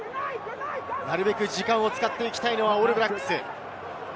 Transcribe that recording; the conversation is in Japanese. なるべく時間を使っていきたいのはオールブラックス。